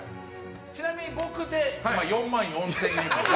ちなみに僕で４万４０００円です。